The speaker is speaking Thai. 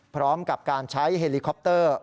พร้อมกับการใช้เฮลิคอปเตอร์